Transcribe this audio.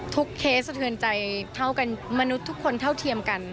เคสสะเทือนใจเท่ากันมนุษย์ทุกคนเท่าเทียมกัน